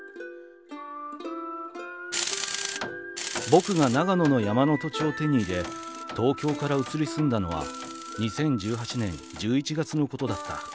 「ボクが長野の山の土地を手に入れ、東京から移り住んだのは２０１８年１１月のことだった。